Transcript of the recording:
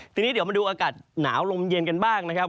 ทีนี้เดี๋ยวมาดูอากาศหนาวลมเย็นกันบ้างนะครับ